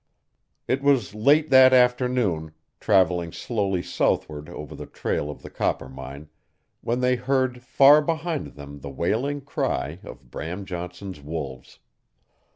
It was late that afternoon, traveling slowly southward over the trail of the Coppermine, when they heard far behind them the wailing cry of Bram Johnson's wolves.